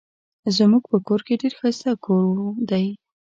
زمونږ په کور کې ډير ښايسته کوور دي